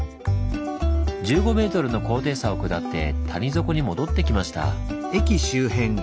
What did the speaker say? １５ｍの高低差を下って谷底に戻ってきました。